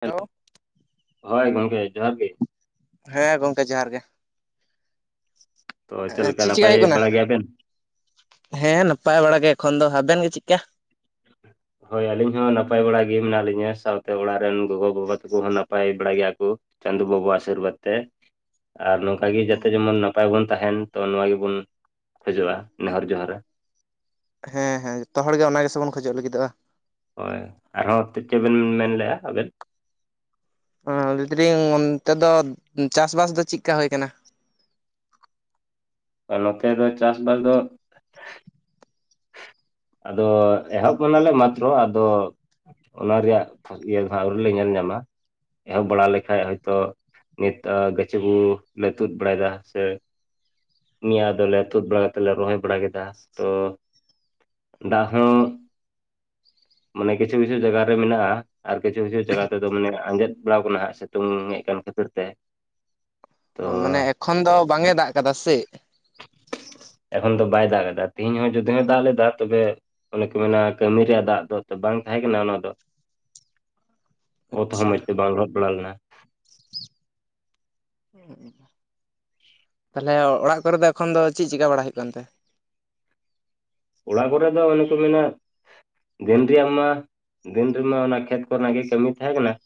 Hello, [inaudible] ᱦᱳᱭ ᱜᱚᱢᱠᱮ ᱡᱚᱦᱟᱨ ᱜᱮ ᱾ ᱦᱮᱸ ᱜᱚᱝᱠᱮ ᱡᱚᱦᱟᱨ ᱜᱮ ᱾ ᱛᱚ ᱪᱮᱫ ᱞᱮᱠᱟ ᱪᱮᱠᱟ ᱱᱟᱯᱟᱭ ᱦᱩᱭᱩᱜ ᱠᱟᱱᱟ? ᱵᱟᱲᱟ ᱜᱮᱭᱟ ᱵᱮᱱ? ᱦᱮᱸ ᱱᱟᱯᱟᱭ ᱵᱟᱲᱟ ᱜᱮ ᱮᱠᱷᱚᱱ ᱫᱚ ᱟᱵᱮᱱ ᱜᱮ ᱪᱮᱫᱠᱟ? ᱦᱳᱭ ᱟᱹᱞᱤᱧ ᱦᱚᱸ ᱱᱟᱯᱟᱭ ᱵᱟᱲᱟ ᱜᱮ ᱢᱮᱱᱟᱜ ᱞᱤᱧᱟ, ᱥᱟᱶᱛᱮ ᱚᱲᱟᱜ ᱨᱮᱱ ᱜᱚᱜᱚ ᱵᱟᱵᱟ ᱛᱟᱠᱚ ᱦᱚᱸ ᱱᱟᱯᱟᱭ ᱵᱟᱲᱟ ᱜᱮᱭᱟ ᱠᱚ ᱾ ᱪᱟᱸᱫᱳ ᱵᱟᱵᱟ ᱟᱜ ᱟᱥᱤᱨ ᱵᱟᱫᱽ ᱛᱮ ᱾ ᱟᱨ ᱱᱚᱝᱠᱟ ᱜᱮ ᱡᱟᱛᱮ ᱡᱮᱢᱚᱱ ᱱᱟᱯᱟᱭ ᱵᱚᱱ ᱛᱟᱦᱮᱱ ᱛᱚ ᱱᱚᱣᱟ ᱜᱮᱵᱚᱱ ᱠᱷᱚᱡᱚᱜᱼᱟ ᱱᱮᱦᱚᱨ ᱡᱚᱦᱟᱨᱟ ᱾ ᱦᱮᱸ ᱦᱮᱸ ᱡᱷᱚᱛᱚ ᱦᱚᱲ ᱜᱮ ᱚᱱᱟ ᱜᱮᱥᱮ ᱵᱚᱱ ᱠᱷᱚᱡᱚᱜ ᱞᱟᱹᱜᱤᱫᱚᱜᱼᱟ ᱾ ᱦᱳᱭ ᱟᱨᱦᱚᱸ ᱪᱮᱫ ᱪᱚ ᱵᱮᱱ ᱢᱮᱱ ᱞᱮᱫ-ᱟ ᱟᱵᱮᱱ ᱾ ᱦᱚ, ᱞᱟᱹᱭ ᱮᱫᱟᱞᱤᱧ ᱚᱱᱛᱮ ᱫᱚ ᱪᱟᱥᱵᱟᱥ ᱫᱚ ᱪᱮᱫᱠᱟ ᱦᱩᱭ ᱟᱠᱟᱱᱟ? ᱟᱨ ᱱᱚᱛᱮ ᱫᱚ ᱪᱟᱥᱵᱟᱥ ᱫᱚ ᱟᱫᱚ ᱮᱦᱚᱵ ᱠᱟᱱᱟ ᱞᱮ ᱢᱟᱛᱨᱚ ᱟᱫᱚ ᱚᱱᱟ ᱨᱮᱭᱟᱜ ᱤᱭᱟᱹ ᱫᱚ ᱦᱟᱸᱜ ᱟᱹᱣᱨᱤ ᱞᱮ ᱧᱮᱞ ᱧᱟᱢᱟ ᱮᱦᱚᱵ ᱵᱟᱲᱟ ᱞᱮᱠᱷᱟᱡ ᱦᱚᱭ ᱛᱚ ᱱᱤᱛ ᱟᱜ ᱜᱟᱪᱷᱤ ᱠᱚ ᱞᱮ ᱛᱩᱫ ᱵᱟᱲᱟᱭ ᱮᱫᱟ ᱦᱮᱥᱮ ᱾ ᱱᱤᱭᱟᱹ ᱟᱫᱚᱞᱮ ᱛᱩᱫ ᱵᱟᱲᱟ ᱠᱟᱛᱮ ᱞᱮ ᱨᱚᱦᱚᱭ ᱵᱟᱲᱟ ᱠᱮᱫᱟ ᱾ ᱛᱚ ᱫᱟᱜ ᱦᱚᱸ [inaudible] ᱢᱟᱱᱮ ᱠᱤᱪᱷᱩ ᱠᱤᱪᱷᱩ ᱡᱟᱭᱜᱟ ᱨᱮ ᱢᱮᱱᱟᱜᱼᱟ ᱾ ᱟᱨ ᱠᱤᱪᱷᱩ ᱠᱤᱪᱷᱩ ᱡᱟᱭᱜᱟ ᱛᱮᱫᱚ ᱢᱟᱱᱮ ᱟᱸᱡᱮᱫ ᱵᱟᱲᱟ ᱟᱠᱟᱱᱟ ᱦᱟᱸᱜ ᱥᱤᱛᱩᱝ ᱦᱮᱡ ᱟᱠᱟᱱ ᱠᱷᱟᱹᱛᱤᱨ ᱛᱮ ᱾ ᱚ, ᱢᱟᱱᱮ ᱮᱠᱷᱚᱱ ᱫᱚ ᱵᱟᱝ ᱮ ᱫᱟᱜ ᱟᱠᱟᱫᱟ ᱥᱮ ᱾ [unintelligible] ᱮᱠᱷᱚᱱ ᱫᱚ ᱵᱟᱭ ᱫᱟᱜ ᱟᱠᱟᱫᱟ ᱛᱤᱦᱤᱧ ᱦᱚᱸ ᱡᱩᱫ ᱫᱚᱢᱮ ᱫᱟᱜ ᱞᱮᱫᱟ ᱛᱚᱵᱮ ᱚᱱᱮ ᱠᱚ ᱢᱮᱱᱟ ᱠᱟᱹᱢᱤ ᱨᱮᱭᱟᱜ ᱫᱟᱜ ᱫᱚ ᱵᱟᱝ ᱛᱟᱦᱮᱸ ᱠᱟᱱᱟ ᱚᱱᱟ ᱫᱚ ᱾ ᱚᱛ ᱦᱚᱸ ᱟᱪᱪᱷᱟ ᱢᱚᱡᱽ ᱛᱮ ᱵᱟᱝ ᱞᱚᱦᱚᱫ ᱵᱟᱲᱟ ᱞᱮᱱᱟ ᱾ ᱚ, [inaudible] ᱛᱟᱦᱞᱮ ᱚᱲᱟᱜ ᱠᱚᱨᱮ ᱫᱚ ᱮᱠᱷᱚᱱ ᱫᱚ ᱪᱮᱫ ᱪᱤᱠᱟ ᱵᱟᱲᱟ ᱦᱩᱭᱩᱜ ᱠᱟᱱ ᱛᱮ? ᱚᱲᱟᱜ ᱠᱚᱨᱮ ᱫᱚ ᱚᱱᱮ ᱠᱚ ᱢᱮᱱᱟ ᱫᱤᱱ ᱨᱮᱭᱟᱜ ᱢᱟ ᱫᱤᱱ ᱨᱮᱢᱟ ᱚᱱᱟ ᱠᱷᱮᱛ ᱠᱚᱨᱮᱱᱟᱜ ᱜᱮ ᱠᱟᱹᱢᱤ ᱛᱟᱦᱮᱸ ᱠᱟᱱᱟ ᱾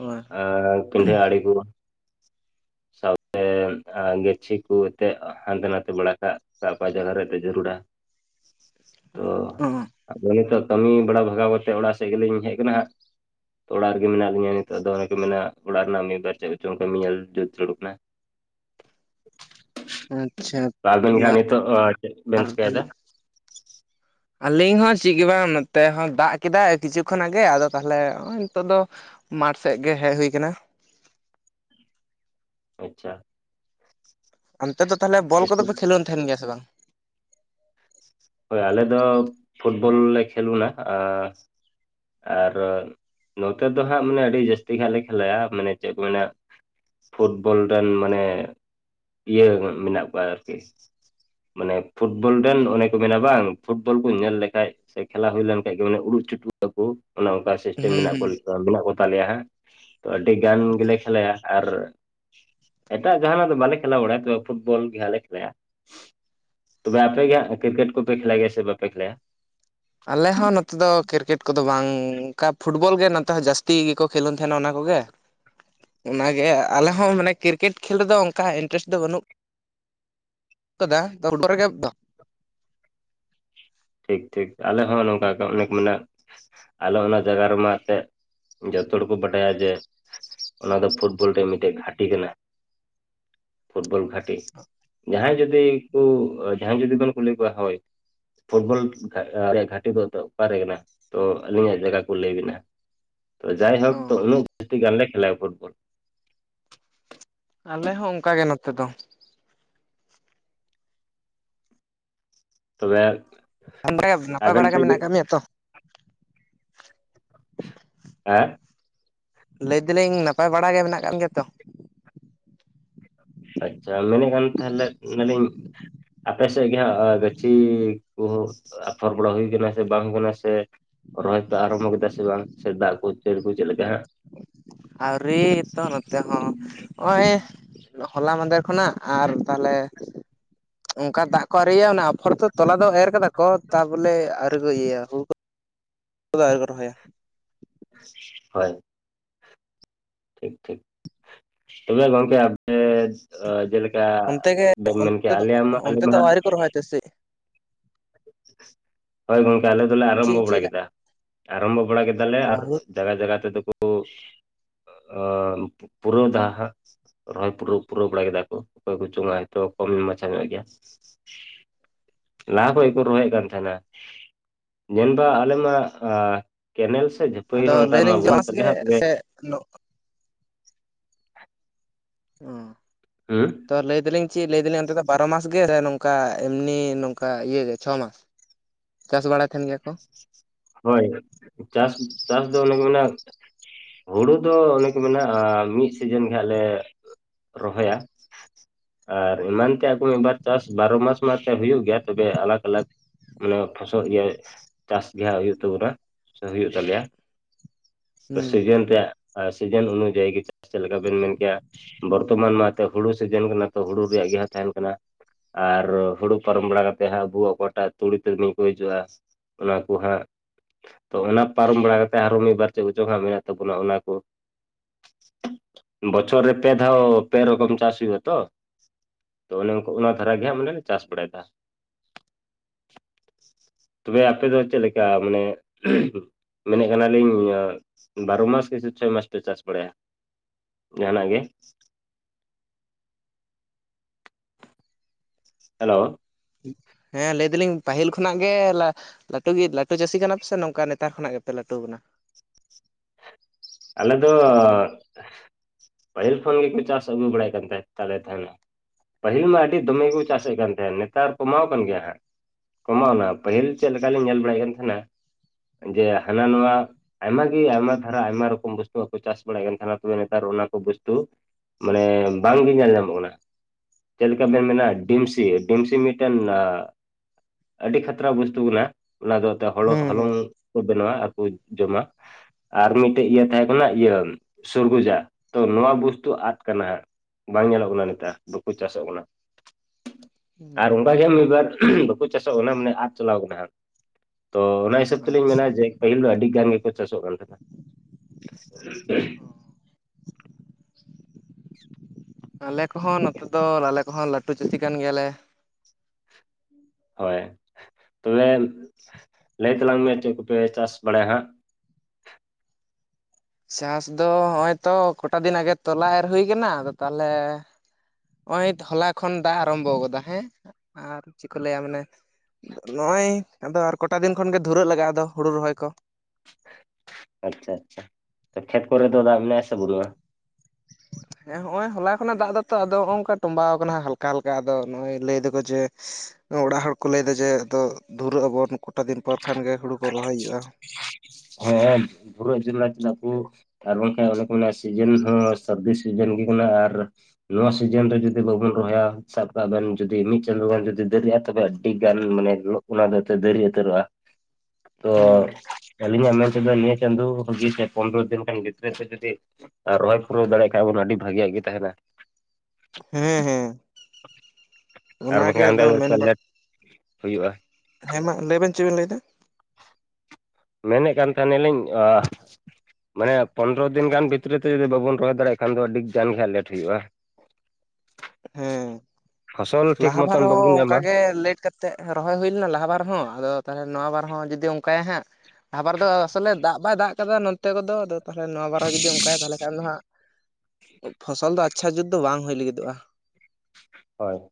ᱚ ᱟᱨ ᱠᱩᱱᱰᱷᱮ‌ ᱟᱲᱤ ᱠᱩ ᱾ ᱮᱻ ᱜᱟᱹᱪᱷᱤ ᱠᱚ ᱮᱛᱮᱫ ᱦᱟᱱᱛᱮ ᱱᱟᱛᱮ ᱵᱟᱲᱟ ᱠᱟᱜ ᱥᱮ ᱟᱠᱚᱣᱟᱜ ᱡᱟᱭᱜᱟ ᱨᱮ ᱡᱟᱹᱨᱩᱲᱟ ᱾ [unintelligible] ᱛᱚ [unintelligible] ᱠᱟᱹᱢᱤ ᱵᱟᱲᱟ ᱵᱷᱟᱜᱟᱣ ᱠᱟᱛᱮ ᱚᱲᱟᱜ ᱥᱮᱫ ᱜᱮᱞᱤᱧ ᱦᱮᱡ ᱠᱟᱱᱟ ᱦᱟᱸᱜ᱾ ᱛᱚ ᱚᱲᱟᱜ ᱨᱮᱜᱮ ᱢᱮᱱᱟᱜ ᱞᱤᱧᱟᱹ ᱱᱤᱛᱚᱜ ᱫᱚ ᱚᱱᱮ ᱠᱚ ᱢᱮᱱᱟ ᱚᱲᱟᱜ ᱨᱮᱱᱟᱜ ᱢᱤᱫᱵᱟᱨ ᱪᱮᱫ ᱠᱚᱪᱚᱝ ᱚᱱᱠᱟ ᱧᱮᱞ ᱡᱩᱛ ᱡᱟᱹᱨᱩᱲ ᱠᱟᱱᱟ᱾ ᱟᱪᱪᱷᱟ᱾ ᱟᱵᱮᱱ ᱜᱮ ᱱᱤᱛᱚᱜ ᱪᱮᱫ ᱵᱮᱱ ᱟᱨ ᱪᱮᱠᱟᱭᱫᱟ? ᱟᱹᱞᱤᱧ ᱦᱚᱸ ᱪᱮᱫ ᱜᱮ ᱵᱟᱝ ᱱᱚᱛᱮ ᱦᱚᱸ ᱫᱟᱜ ᱠᱮᱫᱟᱭ ᱠᱤᱪᱷᱩ ᱠᱷᱚᱱ ᱟᱜᱮ ᱟᱫᱚ ᱛᱟᱦᱚᱞᱮ ᱱᱚᱜᱼᱚᱭ ᱱᱤᱛᱚᱜ ᱫᱚ, ᱢᱟᱴᱷ ᱥᱮᱫ ᱜᱮ ᱦᱮᱡ ᱦᱩᱭ ᱠᱟᱱᱟ᱾ ᱟᱪᱪᱷᱟ, ᱚᱱᱛᱮ ᱫᱚ ᱛᱟᱦᱚᱞᱮ ᱵᱚᱞ ᱠᱚᱫᱚ ᱤᱥᱠᱩᱞ ᱯᱮ ᱠᱷᱮᱞᱳᱱ ᱛᱟᱦᱮᱸᱱ ᱜᱮᱭᱟ ᱥᱮ ᱵᱟᱝ? ᱦᱳᱭ ᱟᱞᱮ ᱫᱚ ᱯᱷᱩᱴᱵᱚᱞ ᱞᱮ ᱠᱷᱮᱞᱟ ᱵᱟᱲᱟᱭᱟ ᱟ, ᱟᱨ ᱱᱚᱛᱮ ᱫᱚ ᱦᱟᱸᱜ ᱢᱟᱱᱮ ᱟᱹᱰᱤ ᱡᱟᱹᱥᱛᱤ ᱜᱮᱞᱮ ᱠᱷᱮᱞᱟᱭᱟ ᱢᱟᱱᱮ ᱪᱮᱫ ᱠᱚ ᱢᱮᱱᱟ? ᱯᱷᱩᱴᱵᱚᱞ ᱨᱮᱱ ᱢᱟᱱᱮ, ᱤᱭᱟᱹ ᱢᱮᱱᱟᱜ ᱠᱚᱣᱟ ᱟᱨᱠᱤ? ᱢᱟᱱᱮ ᱯᱷᱩᱴᱵᱚᱞ ᱨᱮᱱ ᱚᱱᱮ ᱠᱚ ᱢᱮᱱᱟ ᱵᱟᱝ, ᱯᱷᱩᱴᱵᱚᱞ ᱠᱚ ᱧᱮᱞ ᱞᱮᱠᱷᱟᱡ, ᱥᱮ ᱠᱷᱮᱞᱟ ᱦᱩᱭ ᱞᱮᱱ ᱠᱷᱟᱡ ᱜᱮ ᱢᱟᱱᱮ ᱩᱰᱩᱜ ᱪᱩᱴᱩᱜ ᱟᱠᱚ ᱚᱱᱮ ᱚᱱᱠᱟ᱾ ᱦᱩᱸ ᱥᱤᱥᱴᱮᱢ ᱢᱮᱱᱟᱜ, ᱦᱩᱸ ᱢᱮᱱᱟᱜ ᱠᱚ ᱛᱟᱞᱮᱭᱟ ᱦᱟᱸᱜ ᱛᱚ ᱟᱹᱰᱤ ᱜᱟᱱ ᱜᱮᱞᱮ ᱠᱷᱮᱞᱟᱭᱟ᱾ ᱟᱨ ᱮᱴᱟᱜ ᱡᱟᱦᱟᱸᱱᱟᱜ ᱫᱚ ᱵᱟᱞᱮ ᱠᱷᱮᱞᱟ ᱵᱟᱲᱟᱭᱟ, ᱛᱚ ᱯᱷᱩᱴᱵᱚᱞ ᱜᱮ ᱦᱟᱸᱜ ᱞᱮ ᱠᱷᱮᱞᱟᱭᱟ᱾ ᱛᱚᱵᱮ ᱟᱯᱮ ᱜᱮ ᱦᱟᱸᱜ ᱠᱨᱤᱠᱮᱴ ᱠᱚᱯᱮ ᱠᱷᱮᱞᱟᱭ ᱜᱮᱭᱟ ᱥᱮ ᱵᱟᱯᱮ ᱠᱷᱮᱞᱟᱭᱟ? ᱟᱞᱮ ᱦᱚᱸ ᱱᱚᱛᱮ ᱫᱚ ᱠᱨᱤᱠᱮᱴ ᱠᱚᱫᱚ ᱵᱟᱝ ᱚᱱᱠᱟ ᱯᱷᱩᱴᱵᱚᱞ ᱜᱮ ᱱᱚᱛᱮ ᱦᱚᱸ ᱡᱟᱹᱥᱛᱤ ᱜᱮᱠᱚ ᱠᱷᱮᱞᱳᱱ ᱛᱟᱦᱮᱸᱱᱟ ᱚᱱᱟ ᱠᱚᱜᱮ᱾ ᱚᱱᱟ ᱜᱮ ᱟᱞᱮ ᱦᱚᱸ ᱢᱟᱱᱮᱠ, ᱠᱨᱤᱠᱮᱴ ᱠᱷᱮᱞ ᱨᱮᱫᱚ ᱚᱱᱠᱟ ᱤᱱᱴᱟᱨᱮᱥᱴ ᱫᱚ ᱵᱟᱹᱱᱩᱜ, ᱠᱟᱫᱟ ᱟᱣᱩᱴᱰᱳᱨ ᱜᱮᱢ ᱫᱚ, ᱴᱷᱤᱠ ᱴᱷᱤᱠ ᱟᱞᱮ ᱦᱚᱸ ᱱᱚᱝᱠᱟ ᱚᱱᱮᱠ ᱢᱮᱱᱟ, ᱟᱞᱮ ᱚᱱᱟ ᱡᱟᱭᱜᱟ ᱨᱮᱢᱟ ᱮᱱᱛᱮᱫ ᱡᱚᱛᱚ ᱦᱚᱲᱠᱚ ᱵᱟᱰᱟᱭᱟ ᱡᱮ, ᱚᱱᱟ ᱫᱚ ᱯᱷᱩᱴᱵᱚᱞ ᱨᱮ ᱢᱤᱫᱴᱮᱡ ᱜᱷᱟᱴᱤ ᱠᱟᱱᱟ ᱾ ᱯᱷᱩᱴᱵᱚᱞ ᱜᱷᱟᱴᱤ, ᱴᱤ, ᱡᱟᱦᱟᱸᱭ ᱡᱩᱫᱤ ᱠᱚ, ᱡᱟᱦᱟᱸ ᱡᱩᱫᱤ ᱵᱮᱱ ᱠᱩᱞᱤ ᱠᱚᱣᱟ ᱦᱚᱭ, ᱯᱷᱩᱴᱵᱚᱞ ᱜᱷᱟᱴᱤ ᱫᱚ ᱚᱠᱟᱨᱮ ᱠᱟᱱᱟ ᱛᱚ ᱟᱹᱞᱤᱧᱟᱜ ᱡᱟᱭᱜᱟ ᱠᱚ ᱞᱟᱹᱭ ᱵᱤᱱᱟ᱾ ᱛᱚ ᱡᱟᱭᱦᱳᱠ ᱛᱚ ᱩᱱᱟᱹᱜ ᱡᱟᱥᱛᱤ ᱜᱟᱱᱞᱮ ᱠᱷᱮᱞᱟ ᱯᱷᱩᱴᱵᱚᱞ᱾ ᱟᱞᱮ ᱦᱚᱸ ᱚᱱᱠᱟ ᱜᱮ ᱱᱚᱛᱮ ᱫᱚ᱾ ᱛᱚᱵᱮ, ᱜᱮ ᱱᱟᱯᱟᱭ ᱟᱵᱮᱱ ᱵᱟᱲᱟ ᱜᱮ ᱥᱮᱫ ᱢᱮᱱᱟᱜ ᱠᱟᱫ ᱢᱮᱭᱟ ᱛᱚ᱾ ᱦᱮᱸ, ᱞᱟᱹᱭ ᱫᱟᱞᱤᱧ ᱱᱟᱯᱟᱭ ᱵᱟᱲᱟ ᱜᱮ ᱢᱮᱱᱟᱜ ᱠᱟᱫ ᱜᱮᱭᱟ ᱛᱚ᱾ ᱟᱪᱪᱷᱟ ᱢᱮᱱᱮᱫ ᱠᱟᱱ ᱛᱟᱦᱚᱞᱮ ᱢᱮᱱᱤᱧ, ᱟᱯᱮ ᱥᱮᱫ ᱜᱮ ᱦᱟᱸᱜ ᱜᱟᱹᱪᱷᱤ ᱠᱚ ᱟᱯᱷᱚᱨ ᱵᱟᱲᱟ ᱦᱩᱭ ᱠᱟᱱᱟ ᱥᱮ ᱵᱟᱝ ᱦᱩᱭ ᱠᱟᱱᱟ ᱥᱮ? ᱨᱚᱦᱚᱭ ᱠᱚ ᱟᱨᱟᱢᱵᱷᱚ ᱠᱮᱫᱟ ᱥᱮ ᱵᱟᱝ ᱥᱮ ᱫᱟᱜ ᱠᱚ ᱪᱟᱹᱲ ᱠᱚ ᱪᱮᱫ ᱞᱮᱠᱟ ᱦᱟᱸᱜ? ᱟᱹᱣᱨᱤ ᱛᱚ ᱱᱚᱛᱮ ᱦᱚᱸ᱾ ᱱᱚᱜᱼᱚᱭ ᱦᱚᱞᱟ ᱢᱟᱫᱷᱮᱨ ᱠᱷᱚᱱᱟᱜ ᱟᱨ ᱛᱟᱦᱚᱞᱮ, ᱚᱱᱠᱟ ᱫᱟᱜ ᱠᱚ ᱟᱹᱨᱤᱭᱟ ᱚᱱᱟ ᱟᱯᱷᱚᱨ ᱛᱚ ᱛᱚᱞᱟ ᱫᱚ ᱮᱨ ᱠᱟᱫᱟ ᱠᱚ ᱛᱟᱵᱚᱞᱮ ᱟᱹᱣᱨᱤ ᱠᱚ ᱤᱭᱟᱹᱭᱟ ᱦᱩᱲ ᱦᱩᱲᱩ ᱠᱚᱫᱚ ᱟᱹᱣᱨᱤ ᱠᱚ ᱨᱚᱦᱚᱭᱟ᱾ ᱦᱳᱭ᱾ ᱴᱷᱤᱠ ᱴᱷᱤᱠ, ᱛᱚᱵᱮ ᱜᱚᱢᱠᱮ ᱟᱯᱮ? ᱡᱮᱞᱮᱠᱟ ᱚᱱᱛᱮ ᱜᱮ ᱵᱮᱱ ᱢᱮᱱ ᱠᱮᱭᱟ ᱟᱞᱮᱭᱟᱜ ᱢᱟ ᱟᱞᱮ ᱢᱟ ᱦᱟᱸᱜ, ᱦᱮ ᱥᱮ, ᱦᱳᱭ ᱜᱚᱝᱠᱮ ᱟᱞᱮ ᱫᱚᱞᱮ ᱟᱨᱟᱢᱵᱷᱚ ᱪᱮᱫ ᱵᱟᱲᱟ ᱪᱮᱫ ᱠᱮᱫᱟ, ᱟᱨᱟᱢᱵᱷᱚ ᱵᱟᱲᱟ ᱠᱮᱫᱟᱞᱮ ᱟᱨ ᱦᱩᱲᱩ ᱡᱟᱜᱟ ᱡᱟᱜᱟ ᱛᱮᱫᱚ ᱠᱚ, ᱯᱩᱨᱟᱹᱣ ᱫᱟ ᱦᱟᱸᱜ᱾ ᱨᱚᱦᱚᱭ ᱯᱩᱨᱟᱹᱣ, ᱯᱩᱨᱟᱹᱣ ᱵᱟᱲᱟ ᱠᱮᱫᱟ ᱠᱚ, ᱚᱠᱚᱭ ᱠᱚ ᱪᱚᱝ ᱦᱚᱭ ᱛᱚ, ᱠᱚᱢ ᱢᱟᱪᱷᱟ ᱧᱚᱜ ᱜᱮᱭᱟ ᱾ ᱞᱟᱦᱟ ᱠᱷᱚᱡ, ᱦᱮᱡ ᱠᱟᱱ ᱛᱟᱦᱮᱱᱟ ᱾ ᱢᱮᱱᱫᱟ ᱟᱞᱮ ᱢᱟ, ᱟᱼ ᱠᱮᱱᱮᱞ ᱥᱮᱜ ᱟᱫᱚ, ᱞᱟᱹᱭ ᱟᱞᱤᱧ ᱡᱟᱦᱟᱸ ᱥᱮᱫ [unintelligible] ᱚᱻ ᱾ ᱦᱩᱸᱻ ᱾ ᱛᱚ, ᱞᱟᱹᱭ ᱮᱫᱟᱹᱞᱤᱧ ᱪᱮᱫ, ᱞᱟᱹᱭ ᱮᱫᱟᱞᱤᱧ ᱚᱱᱛᱮ ᱫᱚ, ᱵᱟᱨᱚ ᱢᱟᱥ ᱜᱮ, ᱱᱚᱝᱠᱟ ᱮᱢᱱᱤ, ᱱᱚᱝᱠᱟ ᱤᱭᱟᱹ ᱜᱮ, ᱪᱷᱚ ᱢᱟᱥ ᱾ ᱪᱟᱥ ᱵᱟᱲᱟ, ᱛᱟᱦᱮᱱ ᱜᱮᱭᱟ ᱯᱮ? ᱦᱳᱭ! ᱪᱟᱥ, ᱪᱟᱥ ᱫᱚ, ‌ [unintelligible] ᱚᱱᱮ ᱢᱮᱱᱟᱜ ᱦᱩᱲᱩ ᱫᱚ, ᱚᱱᱮᱠ ᱢᱮᱱᱟᱜᱼᱟ ᱾ ᱢᱤᱫ ᱥᱤᱡᱮᱱ ᱜᱮ ᱦᱟᱸᱜ, ᱞᱮ ᱨᱚᱦᱚᱭᱟ, ᱟᱨ ᱮᱢᱟᱱ ᱛᱮᱭᱟᱜ ᱠᱚᱫᱚ, ᱢᱤᱫ ᱵᱟᱨ ᱪᱟᱥ, ᱵᱟᱨᱚ ᱢᱟᱥ ᱢᱟ ᱛᱮ, ᱦᱩᱭᱩᱜ ᱜᱮᱭᱟ ᱾ ᱛᱚᱵᱮ ᱟᱞᱟᱜᱽ, ᱟᱞᱟᱜᱽ ᱢᱟᱱᱮ ᱯᱷᱚᱥᱚᱜ ᱜᱮᱭᱟ ᱾ ᱪᱟᱥ ᱜᱮ ᱦᱟᱸᱜ ᱦᱩᱭᱩᱜ ᱛᱟᱵᱚᱱᱟ ᱾ ᱥᱮ ᱦᱩᱭᱩᱜ ᱛᱟᱞᱮᱭᱟ ᱾ ᱛᱚ ᱦᱩᱸ ᱥᱤᱡᱤᱱ ᱨᱮᱭᱟᱜ ᱾ ᱟᱨ ᱥᱤᱡᱤᱱ ᱚᱱᱩᱡᱟᱭᱤ ᱜᱮ ᱪᱟᱥ, ᱪᱮᱫ ᱞᱮᱠᱟ ᱵᱮᱱ, ᱢᱮᱱ ᱠᱮᱭᱟ? ᱵᱚᱨᱛᱚᱢᱟᱱ ᱢᱟ ᱛᱚ, ᱦᱩᱲᱩ ᱥᱤᱡᱮᱱ ᱠᱟᱱᱟ ᱛᱚ, ᱦᱩᱲᱩ ᱨᱮᱭᱟᱜ ᱜᱮ ᱦᱟᱸᱜ, ᱛᱟᱦᱮᱱ ᱠᱟᱱᱟ ᱾ ᱟᱨ ᱦᱩᱲᱩ ᱯᱟᱨᱚᱢ ᱵᱟᱲᱟ ᱠᱟᱛᱮᱫ ᱦᱟᱸᱜ, ᱟᱵᱚ ᱚᱠᱟᱴᱟᱜ, ᱛᱩᱲᱤ, ᱛᱤᱞᱢᱤᱧ ᱠᱚ ᱦᱤᱡᱩᱜᱼᱟ ᱾ ᱚᱱᱟ ᱠᱚ ᱦᱟᱸᱜ ᱾ ᱛᱚ, ᱚᱱᱟ ᱯᱟᱨᱚᱢ ᱵᱟᱲᱟ ᱠᱟᱛᱮ, ᱟᱨᱚ ᱢᱤᱫ ᱵᱟᱨ ᱪᱮᱫ ᱠᱚᱪᱚᱝ ᱦᱟᱸᱜ, ᱢᱮᱱᱟᱜ ᱛᱟᱵᱚᱱᱟ ᱚᱱᱟ ᱠᱚ ᱾ ᱵᱚᱪᱷᱚᱨ ᱨᱮ ᱯᱮ ᱫᱷᱟᱣ, ᱯᱮ ᱨᱚᱠᱚᱢ, ᱪᱟᱥ ᱦᱩᱭᱩᱜ-ᱟ ᱛᱚ ᱾ [unintelligible] ᱚᱱᱟ ᱫᱷᱟᱨᱟ ᱜᱮ ᱦᱟᱸᱜ, ᱢᱟᱱᱮ ᱪᱟᱥ ᱵᱟᱲᱟ ᱮᱫᱟ ᱾ ᱛᱚᱵᱮ, ᱟᱯᱮ ᱫᱚ ᱪᱮᱫ ᱞᱮᱠᱟ? ᱢᱟᱱᱮ, ᱩᱸ-ᱜ-ᱦᱩᱸ-ᱨ ᱢᱮᱱ ᱮᱫᱠᱟᱱᱟᱞᱤᱧ, ᱵᱟᱨᱚ ᱢᱟᱥ ᱜᱮ ᱥᱮ? ᱪᱷᱚᱭ ᱢᱟᱥ ᱯᱮ, ᱪᱟᱥ ᱵᱟᱲᱟᱭᱟ? ᱡᱟᱦᱟᱸᱱᱟᱜ ᱜᱮ? ᱦᱟᱞᱳ ᱾ ᱦᱮᱸᱻ, ᱞᱟᱹᱭ ᱮᱫᱟᱹᱞᱤᱧ ᱯᱟᱹᱦᱤᱞ ᱠᱷᱚᱱᱟᱜ ᱜᱮ, ᱞᱟ ᱞᱟᱹᱴᱩ ᱜᱮ, ᱞᱟᱹᱴᱩ ᱪᱟᱹᱥᱤ ᱠᱟᱱᱟᱯᱮ, ᱥᱮ? ᱱᱚᱝᱠᱟ ᱱᱮᱛᱟᱨ ᱠᱷᱚᱱᱟᱜ ᱜᱮᱯᱮ, ᱞᱟᱹᱴᱩ ᱟᱠᱟᱱᱟ? ᱟᱞᱮ ᱫᱚ, ᱯᱟᱹᱦᱤᱞ ᱠᱷᱳᱱ ᱜᱮᱠᱚ, ᱪᱟᱥ ᱟᱹᱜᱩ ᱵᱟᱲᱟᱭᱮᱫ ᱠᱟᱱ ᱛᱟᱦᱮᱸᱱ, ᱛᱟᱞᱮ ᱠᱷᱟᱱ ᱾ ᱯᱟᱹᱦᱤᱞ ᱢᱟ, ᱟᱹᱰᱤ ᱫᱚᱢᱮ ᱜᱮ ᱠᱚ, ᱪᱟᱥᱮᱫ ᱠᱟᱱ ᱛᱟᱦᱮᱸᱱ, ᱱᱮᱛᱟᱨ ᱠᱚᱢᱟᱣ, ᱟᱠᱟᱱ ᱜᱮᱭᱟ ᱦᱟᱸᱜ ᱾ ᱢᱟ, ᱱᱟᱜ, ᱯᱟᱹᱦᱤᱞ ᱪᱮᱫ ᱞᱮᱠᱟ, ᱞᱤᱧ ᱧᱮᱞ ᱵᱟᱲᱟ, ᱠᱮᱫ ᱠᱤᱱᱟ ᱾ ᱡᱮ, ᱦᱟᱱᱟ ᱱᱚᱣᱟ, ᱟᱭᱢᱟ ᱜᱤ ᱟᱭᱢᱟ ᱫᱷᱟᱨᱟ, ᱟᱭᱢᱟ ᱨᱚᱠ ᱵᱚᱥᱛᱩ, ᱠᱚ ᱦᱚᱸᱠᱚ ᱪᱟᱥ, ᱵᱟᱲᱟᱭ ᱠᱟᱱ, ᱛᱟᱦᱮᱱᱟ ᱾ [inaudible] ᱱᱮᱛᱟᱨ ᱚᱱᱟ ᱠᱚ ᱵᱚᱥᱛᱩ ᱢᱟᱱᱮ, ᱵᱟᱝ ᱜᱮ ᱧᱮᱞ ᱧᱟᱢᱚᱜ ᱠᱟᱱᱟ ᱾ ᱪᱮᱫ ᱞᱮᱠᱟ ᱵᱮᱱ ᱢᱮᱱᱟ? ᱰᱤᱢᱥᱤᱭᱟᱹ, ᱰᱤᱢᱥᱤ ᱢᱤᱫᱴᱮᱱ ᱟ ᱟᱹᱰᱤ, ᱠᱷᱟᱛᱨᱟ ᱵᱚᱥᱛᱩ ᱠᱟᱱᱟ ᱾ ᱚᱱᱟ ᱫᱚ ᱦᱩᱸ ᱦᱩᱸ ᱦᱚᱞᱚᱜ-ᱦᱚᱞᱚᱝ ᱠᱚ ᱵᱮᱱᱟᱣᱟ, ᱟᱨ ᱡᱚᱢᱟ ᱾ ᱟᱨ ᱢᱤᱫᱴᱮᱡ ᱤᱭᱟᱹ ᱦᱮᱸᱻ, ᱢᱮᱱᱟᱜ ᱜᱤᱭᱟᱹ ᱥᱩᱨᱜᱩᱡᱟ ᱾ ᱛᱚ, ᱱᱚᱣᱟ ᱵᱩᱚᱥᱛᱩ ᱟᱫ ᱟᱠᱟᱱᱟ ᱾ ᱵᱟᱝ ᱧᱮᱞᱚᱜ ᱠᱟᱱᱟ ᱾ ᱱᱮᱛᱟᱨ, ᱵᱟᱠᱚ ᱪᱟᱥᱚᱜ ᱠᱟᱱᱟ ᱾ ᱟᱨ ᱚᱝᱠᱟ ᱜᱮ, ᱩᱸᱜ-ᱨᱨᱨ ᱢᱤᱫᱵᱟᱨ ᱵᱟᱠᱚ ᱪᱟᱥᱚᱜ ᱠᱟᱱᱟ ᱾ ᱢᱟᱱᱮ ᱟᱫ ᱪᱟᱞᱟᱣ ᱟᱠᱟᱱᱟ ᱾ ᱛᱚ, ᱚᱱᱟ ᱦᱤᱥᱟᱹᱵ ᱛᱮᱞᱤᱧ, ᱟᱪᱪᱷᱟ ᱢᱮᱱᱟ ᱾ ᱡᱮ, ᱯᱟᱹᱦᱤᱞ ᱫᱚ ᱟᱹᱰᱤ ᱜᱟᱱ, ᱜᱮᱠᱚ ᱪᱟᱥᱚᱜ ᱠᱟᱱ ᱛᱟᱦᱮᱸᱱᱟ ᱾ [unintelligible] ᱟᱞᱮ ᱠᱚᱦᱚ, ᱸ ᱱᱚᱛᱮ ᱫᱚ, ᱟᱞᱮ ᱠᱚᱦᱚᱸ, ᱞᱟᱹᱴᱩ ᱪᱟᱹᱥᱤ, ᱠᱟᱱ ᱜᱮᱭᱟ ᱞᱮ ᱾ ᱦᱳᱭ, ᱛᱚᱵᱮ, ᱞᱟᱹᱭ ᱛᱟᱞᱟᱝ ᱢᱮ, ᱪᱮᱫ ᱠᱚᱯᱮ ᱪᱟᱥ ᱵᱟᱲᱟᱭᱟ ᱦᱟᱸᱜ? ᱪᱟᱥ ᱫᱚ, ᱦᱚᱸᱜᱼᱚᱭ ᱛᱚ, ᱠᱚᱴᱟ ᱫᱤᱱᱟᱜ ᱜᱮ, ᱛᱚᱞᱟ ᱮᱨ ᱦᱩᱭ ᱟᱠᱟᱱᱟ ᱾ ᱟᱫᱚ ᱛᱟᱦᱚᱞᱮ ᱦᱚᱸᱜᱼᱚᱭ ᱦᱚᱞᱟ ᱠᱷᱚᱱ ᱫᱟᱜᱼᱮ ᱟᱨᱚᱢᱵᱷᱚ ᱟᱠᱟᱫᱟ ᱾ ᱦᱮᱸ! ᱟᱨ ᱪᱮᱫ ᱠᱚ ᱞᱟᱹᱭᱟ ᱢᱟᱱᱮ ᱱᱚᱜᱼᱚᱭ, ᱟᱫᱚ ᱟᱨ ᱠᱚᱴᱟ ᱫᱤᱱ ᱠᱷᱚᱱ ᱜᱮ, ᱫᱷᱩᱨᱟᱹᱜ ᱞᱟᱜᱟᱜᱼᱟ ᱾ ᱟᱫᱚ ᱦᱩᱲᱩ ᱨᱚᱦᱚᱭ ᱠᱚ ᱾ ᱟᱪᱪᱷᱟ ᱟᱪᱪᱷᱟ, ᱛᱚ ᱠᱷᱮᱛ ᱠᱚᱨᱮ ᱫᱚ ᱫᱟᱜ ᱢᱮᱱᱟᱜ ᱟᱥᱮ ᱵᱟᱹᱱᱩᱜᱼᱟ? ᱦᱮᱸ ᱦᱚᱸᱜᱼᱚᱭ ᱦᱚᱞᱟ ᱠᱷᱚᱱᱟᱜ ᱫᱟᱜ ᱫᱟ ᱛᱚ, ᱟᱫᱚ ᱦᱚᱸᱜ ᱚᱝᱠᱟ ᱛᱚᱸᱢᱵᱟᱣ ᱠᱟᱱᱟ ᱦᱟᱞᱠ ᱦᱟᱞᱠᱟ ᱦᱟᱞᱠᱟ ᱟᱫᱚ ᱱᱚᱜᱼᱚᱭ ᱞᱟᱹᱭ ᱫᱟᱠᱚ ᱡᱮ ᱚᱲᱟᱜ ᱦᱚᱲ ᱠᱚ ᱞᱟᱹᱭ ᱫᱟ ᱡᱮ ᱟᱫᱚ ᱫᱷᱩᱨᱟᱹᱜ ᱟᱵᱚᱱ, ᱠᱚᱴᱟ ᱫᱤᱱ ᱯᱚᱨ ᱠᱷᱟᱱᱜᱮ ᱦᱩᱲᱩ ᱠᱚ ᱨᱚᱦᱚᱭ ᱦᱩᱭᱩᱜᱼᱟ᱾ ᱦᱮᱸ ᱵᱷᱩᱨᱟᱹᱜ ᱡᱚᱱᱟ ᱠᱮᱫᱟ ᱠᱚ ᱟᱨ ᱵᱟᱝ ᱠᱷᱟᱱ ᱚᱱᱮ ᱠᱚ ᱢᱮᱱᱟ ᱥᱤᱡᱤᱱ ᱦᱚᱸ ᱥᱟᱨᱫᱤ ᱥᱤᱡᱤᱱ ᱜᱮ ᱠᱟᱱᱟ ᱟᱨ ᱱᱚᱣᱟ ᱥᱤᱡᱤᱱ ᱨᱮ ᱡᱩᱫᱤ ᱵᱟᱵᱚᱱ ᱨᱚᱦᱚᱭᱟ, ᱥᱟᱵ ᱠᱟᱜ ᱵᱮᱱ ᱡᱩᱫᱤ ᱢᱤᱫ ᱪᱟᱸᱫᱳ ᱜᱟᱱ ᱡᱩᱫᱤ ᱫᱮᱨᱤᱜᱼᱟ ᱛᱚᱵᱮ, ᱟᱹᱰᱤ ᱜᱟᱱ ᱢᱟᱱᱮ ᱚᱱᱟ ᱫᱚᱛ ᱫᱮᱨᱤ ᱩᱛᱟᱹᱨᱚᱜᱼᱟ ᱛᱚ, ᱦᱩᱸ ᱟᱹᱞᱤᱧᱟᱜ ᱢᱮᱱ ᱛᱮᱫ ᱱᱤᱭᱟᱹ ᱪᱟᱸᱫᱳ ᱯᱚᱱᱨᱚ ᱫᱤᱱ ᱠᱷᱟᱱ ᱜᱮ ᱵᱷᱤᱛᱨᱤ ᱛᱮ, [unintelligible] ᱟᱨ ᱨᱚᱦᱚᱭ ᱯᱩᱨᱟᱹᱣ ᱫᱟᱲᱮᱭᱟᱜ ᱠᱷᱟᱡ ᱵᱚᱱ ᱟᱹᱰᱤ ᱵᱷᱟᱹᱜᱤᱭᱟᱜ ᱜᱮ ᱛᱟᱦᱮᱱᱟ᱾ ᱦᱮᱸ ᱦᱮᱸ, ᱟᱨ ᱚᱱᱟᱜᱮ ᱵᱟᱝᱠᱷᱟᱱ ᱚᱸᱰᱮ ᱟᱫᱚ ᱫᱚ ᱢᱮᱱ ᱛᱟᱦᱚᱞᱮ ᱦᱩᱭᱩᱜᱼᱟ᱾ ᱦᱮᱸ ᱢᱟ ᱞᱟᱹᱭ ᱵᱮᱱ ᱪᱮᱫ ᱵᱮᱱ ᱞᱟᱹᱭᱫᱟ᱾ ᱢᱮᱱᱮᱫ ᱠᱟᱱ ᱛᱟᱦᱮᱱᱟᱞᱤᱧ ᱟ, ᱢᱟᱱᱮ ᱯᱚᱱᱨᱚ ᱫᱤᱱ ᱜᱟᱱ ᱵᱷᱤᱛᱨᱤ ᱛᱮ ᱡᱩᱫᱤ ᱵᱟᱵᱚᱱ ᱨᱚᱦᱚᱭ ᱫᱟᱲᱮᱭᱟᱜ ᱠᱷᱟᱱ ᱫᱚ ᱟᱹᱰᱤ ᱜᱟᱱ ᱜᱮ ᱦᱟᱸᱜ ᱞᱮᱴ ᱦᱩᱭᱩᱜᱼᱟ᱾ [unintelligible] ᱦᱮᱸ, ᱯᱷᱚᱥᱚᱞ ᱴᱷᱤᱠ ᱞᱟᱦᱟ ᱵᱟᱨ ᱢᱚᱛᱚᱱ ᱦᱚᱸ ᱵᱟᱵᱚᱱ ᱧᱟᱢᱟ ᱚᱱᱠᱟᱜᱮ ᱞᱮᱴ ᱠᱟᱛᱮ, ᱛᱮᱫ ᱨᱚᱦᱚᱭ ᱦᱩᱭ ᱞᱮᱱᱟ ᱞᱟᱦᱟ ᱵᱟᱨ ᱦᱚᱸ, ᱟᱫᱚ ᱛᱟᱦᱚᱞᱮ ᱱᱚᱣᱟ ᱵᱟᱨ ᱦᱚᱸ ᱡᱩᱫᱤ ᱚᱱᱠᱟᱭ ᱦᱟᱸᱜ᱾ ᱞᱟᱦᱟᱵᱟᱨ ᱫᱚ ᱟᱥᱚᱞᱮ ᱫᱟᱜ ᱵᱟᱭ ᱫᱟᱜ ᱠᱟᱫᱟ ᱱᱚᱱᱛᱮ ᱠᱚᱫᱚ ᱟᱫᱚ, ᱛᱟᱦᱚᱞᱮ ᱱᱚᱣᱟ ᱵᱟᱨᱦᱚ ᱡᱩᱫᱤ ᱚᱱᱠᱟᱭᱟ ᱛᱟᱦᱚᱞᱮ ᱠᱷᱟᱱ ᱫᱚ ᱦᱟᱸᱜ, ᱯᱷᱚᱥᱚᱞ ᱫᱚ ᱟᱪᱪᱷᱟ ᱡᱩᱛ ᱫᱚ ᱵᱟᱝ ᱦᱩᱭ ᱞᱟᱹᱜᱤᱫᱚᱜᱼᱟ᱾ ᱦᱚᱭ᱾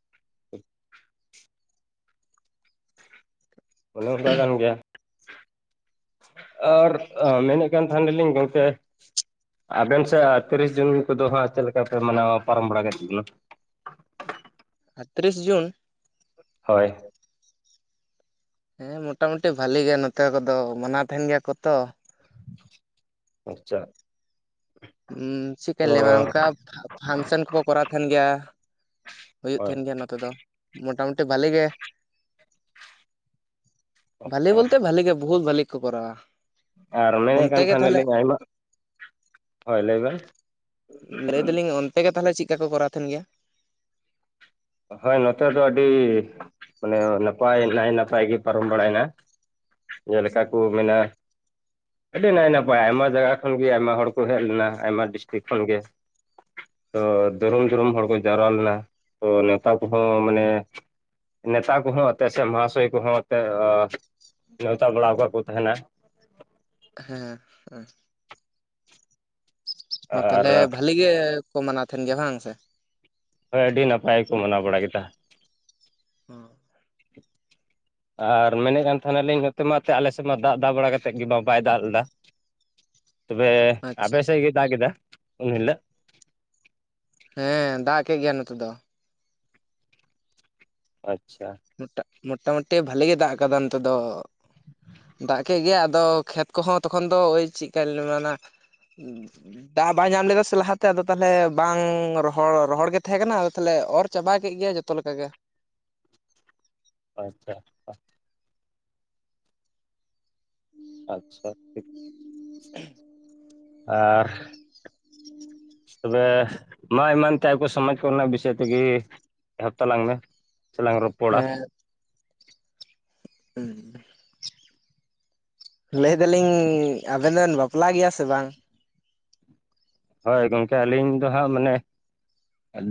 ᱚᱱᱮ ᱚᱠᱟ ᱠᱟᱱ ᱜᱮᱭᱟ᱾ ᱟᱨ, ᱢᱮᱱᱮᱫ ᱠᱟᱱ ᱛᱟᱦᱮᱱᱟ ᱞᱤᱧ ᱜᱚᱝᱠᱮ? ᱟᱵᱮᱱ ᱥᱮᱫ ᱛᱤᱨᱤᱥ ᱡᱩᱱ ᱠᱚᱫᱚ ᱦᱟᱸᱜ, ᱪᱮᱫ ᱞᱮᱠᱟ ᱯᱮ ᱢᱟᱱᱟᱣᱟ ᱯᱟᱨᱚᱢ ᱵᱟᱲᱟ ᱠᱮᱫ ᱛᱟᱵᱚᱱᱟ᱾ ᱟ, ᱛᱤᱨᱤᱥ ᱡᱩᱱ? ᱦᱳᱭ᱾ ᱦᱮᱸ ᱢᱚᱴᱟᱢᱩᱴᱤ ᱵᱷᱟᱞᱤ ᱜᱮ ᱱᱚᱛᱮ ᱠᱚᱫᱚ, ᱢᱟᱱᱟᱣ ᱛᱟᱦᱮᱱ ᱜᱮᱭᱟ ᱠᱚ ᱛᱚ᱾ ᱟᱪᱪᱷᱟ᱾ ᱛᱚ ᱪᱮᱫᱠᱟᱧ ᱞᱟᱹᱭᱟᱢᱟ ᱚᱱᱠᱟ ᱯᱷᱟᱱᱥᱮᱱ ᱠᱚᱠᱚ ᱠᱚᱨᱟᱣ ᱛᱟᱦᱮᱱ ᱜᱮᱭᱟ᱾ ᱦᱩᱭᱩᱜ ᱦᱳᱭ ᱛᱟᱦᱮᱱ ᱜᱮᱭᱟ ᱱᱚᱛᱮ ᱫᱚ ᱢᱳᱴᱟ ᱢᱩᱴᱤ ᱵᱷᱟᱞᱮ ᱜᱮ᱾ ᱵᱷᱷᱟᱞᱤ ᱟᱪᱪᱷᱟ ᱵᱚᱞᱛᱮ ᱵᱷᱷᱟᱞᱤ ᱜᱮ ᱵᱚᱦᱩᱛ ᱵᱷᱟᱞᱤ ᱠᱚ ᱠᱚᱨᱟᱣᱟ᱾ ᱟᱨ ᱢᱮᱱᱮᱫ ᱚᱱᱛᱮ ᱜᱮ ᱛᱟᱦᱮᱱᱟ ᱛᱟᱦᱚᱞᱮ ᱞᱤᱧ ᱟᱭᱢᱟ, ᱦᱳᱭ ᱞᱟᱹᱭ ᱵᱮᱱ? ᱟᱯᱮᱜᱮ ᱛᱟᱦᱚᱞᱮ ᱪᱮᱫ ᱠᱟ ᱯᱮ ᱠᱚᱨᱟᱣ ᱛᱟᱦᱮᱱ ᱜᱮᱭᱟ? ᱦᱚᱭ ᱱᱚᱛᱮ ᱫᱚ ᱟᱹᱰᱤ, ᱢᱟᱱᱮ ᱱᱟᱯᱟᱭ ᱱᱟᱭ ᱱᱟᱯᱟᱭ ᱜᱮ ᱯᱟᱨᱚᱢ ᱵᱟᱲᱟᱭᱮᱱᱟ᱾ ᱡᱮᱞᱮᱠᱟ ᱠᱚ ᱢᱮᱱᱟ? ᱟᱹᱰᱤ ᱱᱟᱭ ᱱᱟᱯᱟᱭ, ᱟᱭᱢᱟ ᱡᱟᱭᱜᱟ ᱠᱷᱚᱱᱜᱮ ᱟᱭᱢᱟ ᱦᱚᱲ ᱠᱚ ᱦᱮᱡ ᱞᱮᱱᱟ ᱟᱭᱢᱟ ᱰᱤᱥᱴᱤᱠ ᱠᱷᱚᱱ ᱜᱮ᱾ ᱛᱚ ᱫᱩᱨᱩᱢ ᱫᱩᱨᱩᱢ ᱦᱚᱲ ᱠᱚ ᱡᱟᱣᱨᱟ ᱞᱮᱱᱟ᱾ ᱛᱚ ᱱᱮᱶᱛᱟ ᱠᱚᱦᱚᱸ ᱢᱟᱱᱮ, ᱱᱮᱛᱟ ᱠᱚᱦᱚᱸ ᱮᱱᱛᱮ ᱥᱮ ᱢᱚᱦᱟᱥᱚᱭ ᱠᱚᱦᱚᱸ ᱮᱱᱛᱮ ᱱᱮᱶᱛᱟ ᱵᱟᱲᱟ ᱟᱠᱟᱫ ᱠᱚ ᱛᱟᱦᱮᱱᱟ᱾ ᱦᱮᱸ ᱦᱮᱸ᱾ ᱚ ᱟᱨ ᱛᱟᱦᱚᱞᱮ ᱵᱷᱟᱹᱞᱤ ᱜᱮ, ᱠᱚ ᱢᱟᱱᱟᱣ ᱛᱟᱦᱮᱱ ᱜᱮᱭᱟ ᱵᱟᱝ ᱥᱮ? ᱦᱳᱭ ᱟᱹᱰᱤ ᱱᱟᱯᱟᱭ ᱠᱚ ᱢᱟᱱᱟᱣ ᱵᱟᱲᱟ ᱠᱮᱫᱟ᱾ ᱦᱚᱸ, ᱟᱨ ᱢᱮᱱᱮᱫ ᱠᱟᱱ ᱛᱟᱦᱮᱱᱟᱞᱤᱧ ᱱᱚᱛᱮ ᱢᱟ ᱮᱛᱮᱫ ᱟᱞᱮ ᱥᱮᱫ ᱢᱟ ᱫᱟᱜ ᱫᱟᱜ ᱵᱟᱲᱟ ᱠᱟᱛᱮᱫ ᱜᱮ ᱵᱟᱭ ᱫᱟᱜ ᱞᱮᱫᱟ᱾ ᱛᱚᱵᱮ ᱟᱯᱮ ᱟᱪᱪᱷᱟ ᱤᱮᱫ ᱜᱮ ᱫᱟᱜ ᱠᱮᱫᱟ ᱩᱱᱦᱤᱞᱟᱹᱜ᱾ ᱦᱮᱸ ᱫᱟᱜ ᱠᱮᱜ ᱜᱮᱭᱟ ᱱᱚᱛᱮ ᱫᱚ᱾ ᱟᱪᱪᱷᱟᱻ ᱢᱚᱴᱟᱜ ᱢᱚᱴᱟᱢᱩᱴᱤ ᱵᱷᱟᱞᱤ ᱜᱮ ᱫᱟᱜ ᱟᱠᱟᱫᱟ ᱱᱚᱛᱮ ᱫᱚᱼᱼ ᱫᱟᱜ ᱠᱮᱜ ᱜᱮᱭ ᱟᱫᱚ ᱠᱷᱮᱛ ᱠᱚᱦᱚᱸ ᱛᱚᱠᱷᱚᱱ ᱫᱚ ᱳᱭ ᱪᱮᱜᱠᱟ ᱞᱟᱹᱭᱟᱢᱟ [unintelligible] ᱱᱟᱼᱼ ᱫᱟᱜ ᱵᱟᱭ ᱧᱟᱢ ᱞᱮᱫᱟ ᱥᱮ ᱞᱟᱦᱟᱛᱮ ᱟᱫᱚ ᱛᱟᱦᱚᱞᱮ ᱵᱟᱝ ᱨᱚᱦᱚᱲ, ᱨᱚᱦᱚᱲ ᱜᱮ ᱛᱟᱦᱮᱸ ᱠᱟᱱᱟ ᱟᱫᱚ ᱛᱟᱦᱚᱞᱮ ᱚᱨ ᱪᱟᱵᱟ ᱠᱮᱜ ᱜᱮᱭᱟ ᱡᱚᱛᱚᱼᱼ [unintelligible] ᱛᱚ ᱠᱮᱠᱟ ᱜᱮ᱾ ᱟᱪᱪᱷᱟ ᱟᱪᱪᱷᱟ ᱟᱪᱪᱷᱟ ᱴᱷᱤᱠ᱾ [unintelligible] ᱟᱻᱨ ᱛᱚᱵᱮ, ᱢᱟ ᱮᱢᱟᱱ ᱛᱮᱭᱟᱜ ᱠᱚ ᱥᱚᱢᱟᱡ ᱠᱚᱨᱮᱱᱟᱜ ᱵᱤᱥᱚᱭ ᱛᱮᱜᱮᱻᱼᱼ ᱮᱦᱚᱵ ᱛᱟᱞᱟᱝ ᱢᱮ ᱞᱟᱝ ᱨᱚᱯᱼᱼ [unintelligible] ᱦᱮᱸᱼᱼ [unintelligible] ᱞᱟᱹᱭ ᱮᱫᱟᱞᱤᱧ ᱟᱵᱮᱱ ᱫᱚᱵᱮᱱ ᱵᱟᱯᱞᱟ ᱜᱮᱭᱟ ᱥᱮ ᱵᱟᱝ? ᱦᱚᱭ ᱜᱚᱢᱠᱮ ᱟᱹᱞᱤᱧ ᱫᱚ ᱦᱟᱸᱜ ᱢᱟᱱᱮ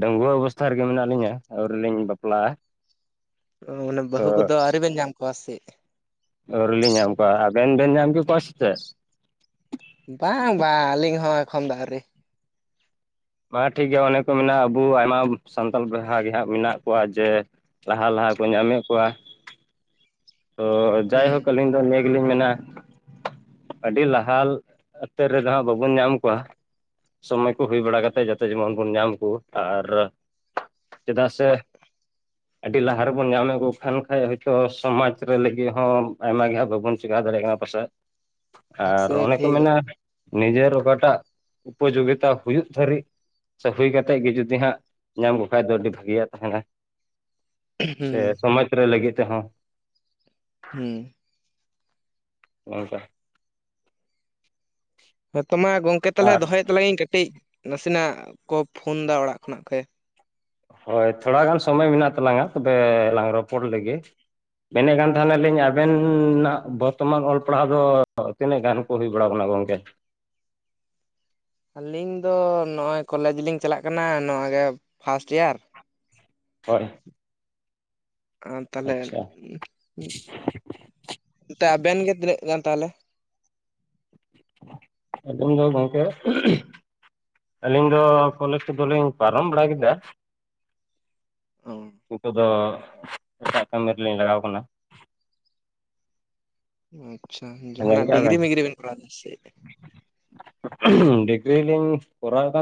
ᱰᱟᱹᱝᱣᱟᱹ ᱚᱵᱚᱥᱛᱷᱟ ᱨᱮᱜᱮ ᱢᱮᱱᱟᱜ ᱞᱤᱧᱟᱹ, ᱟᱹᱣᱨᱤᱞᱤᱧ ᱵᱟᱯᱞᱟᱜᱼᱟ ᱾ ᱚ ᱚᱱᱮ ᱵᱟᱹᱦᱩ ᱠᱚᱫᱚ ᱟᱹᱣᱨᱤ ᱵᱮᱱ ᱧᱟᱢ ᱠᱚᱣᱟ ᱥᱮ ᱪᱮᱫ? ᱟᱹᱣᱨᱤ ᱞᱤᱧ ᱧᱟᱢ ᱠᱚᱣᱟ, ᱟᱵᱮᱱ ᱵᱮᱱ ᱧᱟᱢ ᱠᱮᱜ ᱠᱚᱣᱟ ᱥᱮ ᱪᱮᱜ? ᱵᱟᱝᱼᱟ ᱵᱟᱝ ᱟᱹᱞᱤᱧ ᱦᱚᱸ ᱮᱠᱷᱚᱱ ᱫᱚ ᱟᱹᱣᱨᱤ ᱾ ᱢᱟ ᱴᱷᱤᱠ ᱜᱮᱭᱟ ᱚᱱᱮ ᱠᱚ ᱢᱮᱱᱟ, ᱟᱵᱩ ᱟᱭᱢᱟ ᱥᱟᱱᱛᱟᱲ ᱵᱚᱭᱦᱟ ᱜᱮ ᱦᱟᱸᱜ ᱢᱮᱱᱟᱜ ᱠᱚᱣᱟ ᱡᱮ ᱞᱟᱦᱟᱼᱞᱟᱦᱟ ᱠᱚ ᱧᱟᱢᱮᱜ ᱠᱚᱣᱟ ᱾ ᱛᱚ ᱦᱩᱸ ᱡᱟᱭᱦᱩᱠ ᱟᱹᱞᱤᱧ ᱫᱚ ᱱᱤᱭᱟᱹ ᱜᱮᱞᱤᱧ ᱢᱮᱱᱟᱼᱼ ᱟᱹᱰᱤ ᱞᱟᱦᱟ ᱩᱛᱟᱹᱨ ᱨᱮᱫᱚ ᱦᱟᱸᱜ ᱵᱟᱵᱚᱱ ᱧᱟᱢ ᱠᱚᱣᱟ ᱾ ᱥᱚᱢᱚᱭ ᱠᱚ ᱦᱩᱭ ᱵᱟᱲᱟ ᱠᱟᱛᱮ ᱡᱟᱛᱮ ᱡᱮᱢᱚᱱ ᱵᱚᱱ ᱧᱟᱢ ᱠᱩ ᱟᱨ ᱪᱮᱫᱟᱜ ᱥᱮ ᱟᱹᱰᱤ ᱞᱟᱦᱟ ᱨᱮᱵᱚᱱ ᱧᱟᱢᱮᱜ ᱠᱷᱟᱱ ᱠᱷᱟᱡ ᱦᱚᱭᱛᱚ ᱥᱚᱢᱟᱡᱽ [unintelligible] ᱨᱮ ᱞᱟᱹᱜᱤᱜ ᱦᱚᱸ ᱟᱭᱢᱟ ᱜᱮ ᱦᱟᱸᱜ ᱵᱟᱵᱚᱱ ᱪᱮᱠᱟ ᱫᱟᱲᱮᱭᱟᱜ ᱠᱟᱱᱟ ᱯᱟᱥᱮᱜ ᱟᱨ ᱥᱮ ᱚᱱᱮ ᱠᱚ ᱴᱷᱤᱠ ᱢᱮᱱᱟ ᱱᱤᱡᱮᱨ ᱚᱠᱟᱴᱟᱜ ᱩᱯᱚᱡᱚᱜᱤᱛᱟ ᱦᱩᱭᱩᱜ ᱫᱷᱟᱹᱨᱤᱡ ᱥᱮ ᱦᱩᱭ ᱠᱟᱛᱮᱜ ᱜᱮ ᱡᱩᱫᱤ ᱦᱟᱸᱜ ᱧᱟᱢ ᱠᱚ ᱠᱷᱟᱡ ᱫᱚ ᱟᱹᱰᱤ ᱵᱷᱟᱹᱜᱤᱭᱟᱜ ᱛᱟᱦᱮᱸᱱᱟ ᱾ ᱦᱩᱸ ᱥᱮ ᱥᱚᱢᱟᱡᱽ ᱨᱮ ᱞᱟᱹᱜᱤᱫ ᱛᱮᱦᱚᱸ ᱦᱩᱸ [unintelligible] ᱦᱮᱸ ᱛᱚ ᱢᱟ ᱜᱚᱝᱠᱮ ᱛᱟᱦᱞᱮ ᱟᱨ ᱫᱚᱦᱚᱭᱮᱫ ᱛᱟᱞᱟᱝ ᱤᱧ ᱠᱟᱹᱴᱤᱡ ᱱᱟᱥᱮᱱᱟᱜ ᱠᱚ ᱯᱷᱚᱱ ᱫᱟ ᱚᱲᱟᱜ ᱠᱷᱚᱱᱟᱜ ᱠᱷ᱾ [unintelligible] ᱦᱚᱭ ᱛᱷᱚᱲᱟ ᱜᱟᱱ ᱥᱚᱢᱚᱭ ᱢᱮᱱᱟᱜ ᱛᱟᱞᱟᱝᱼᱟ, ᱛᱚᱵᱮ ᱞᱟᱝ ᱨᱚᱯᱚᱲ ᱞᱮᱜᱮ᱾ ᱢᱮᱱᱮᱜ ᱠᱟᱱ ᱛᱟᱦᱮᱸᱱᱟᱞᱤᱧ ᱟᱵᱤᱱᱻ ᱱᱟᱜ ᱵᱚᱨᱛᱚᱢᱟᱱ ᱚᱞ ᱯᱟᱲᱦᱟᱣ ᱫᱚᱻ ᱛᱤᱱᱟᱹ ᱜᱟᱱ ᱠᱚ ᱦᱩᱭ ᱵᱟᱲᱟᱣ ᱠᱟᱱᱟ ᱜᱚᱝᱠᱮ? ᱟᱹᱞᱤᱧ ᱫᱚ ᱱᱚᱜᱼᱚᱭ ᱠᱚᱞᱮᱡᱽ ᱞᱤᱧ ᱪᱟᱞᱟᱜ ᱠᱟᱱᱟ, ᱱᱚᱜᱼᱚᱭ ᱜᱮ ᱯᱷᱟᱥᱴ ᱮᱭᱟᱨ᱾ [unintelligible] ᱟᱨ ᱛᱟᱦᱚᱞᱮ ᱟᱪᱪᱷᱟ [inaudible] ᱛᱚ ᱟᱵᱮᱱ ᱜᱮ ᱛᱤᱱᱟᱹᱜ ᱜᱟᱱ ᱛᱟᱦᱞᱮ? ᱮᱠᱫᱚᱢ ᱜᱮ ᱜᱚᱝᱠᱮ ᱾ ᱟᱹᱞᱤᱧ ᱫᱚ ᱠᱚᱞᱮᱡᱽ ᱠᱚᱫᱚᱞᱤᱧ ᱯᱟᱨᱚᱢ ᱵᱟᱲᱟ ᱠᱮᱫᱟ᱾ ᱚ ᱱᱤᱛᱚᱜ ᱫᱚ ᱮᱴᱟᱜ ᱠᱟᱹᱢᱤ ᱨᱮᱞᱤᱧ ᱞᱟᱲᱟᱣ ᱠᱟᱱᱟ᱾ ᱟᱪ-ᱪᱷᱟ ᱧᱮᱞ ᱡᱟᱦᱟᱸᱱᱟᱜ ᱠᱮᱜᱼᱟ ᱰᱤᱜᱽᱨᱤ ᱢᱤᱜᱽᱨᱤ ᱵᱮᱱ ᱠᱚᱨᱟᱣ ᱮᱫᱟ ᱥᱮ ᱪᱮᱜ? [unintelligible] ᱰᱤᱜᱨᱤᱞᱤᱧ ᱠᱚᱨᱟᱣ ᱮᱫᱟ ᱾